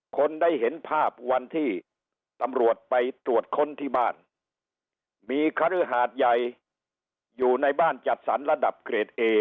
คนได้เห็นภาพวันที่ตำรวจไปตรวจค้นที่บ้านมีคฤหาดใหญ่อยู่ในบ้านจัดสรรระดับเกรดเอ